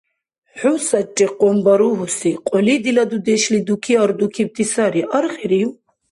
ХӀу сарри къунба ругьуси! Кьули дила дудешли дуки ардукибти сари. Аргъирив?